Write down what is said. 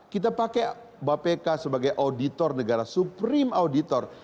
kita pakai bapk sebagai auditor negara supreme auditor